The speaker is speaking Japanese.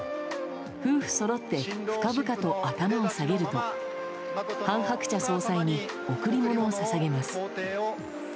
夫婦そろって深々と頭を下げると韓鶴子総裁に贈り物を捧げます。